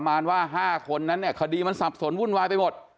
ประมาณว่า๕คนนั้นเนี่ยคดีมันสับสนวุ่นวายไปหมด